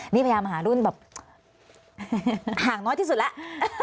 นี่พยายามหารุ่นแบบห่างน้อยที่สุดแล้ว